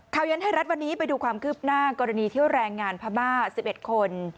เย็นไทยรัฐวันนี้ไปดูความคืบหน้ากรณีที่แรงงานพม่า๑๑คน